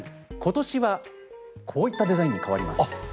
ことしはこういったデザインに変わります。